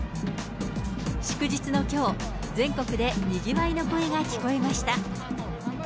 祝日のきょう、全国でにぎわいの声が聞こえました。